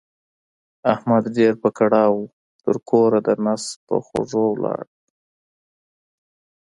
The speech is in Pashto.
احمد ډېر په کړاو وو؛ تر کوره د نس په خوږو ولاړ.